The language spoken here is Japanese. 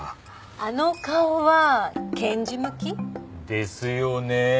あの顔は検事向き？ですよね。